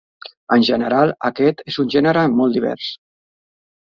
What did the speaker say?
En General, aquest és un gènere molt divers.